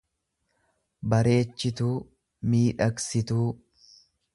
bareechituu, miidhagsituu.